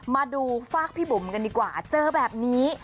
มาดูฝากพี่บุ๋มกันดีกว่าเจอแบบนี้